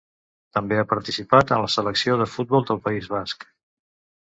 També ha participat en la selecció de futbol del País Basc.